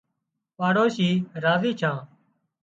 پاڙوشي راضي ڇان